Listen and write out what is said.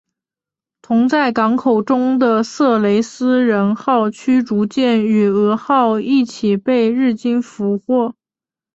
同在港口中的色雷斯人号驱逐舰与蛾号一起被日军俘获。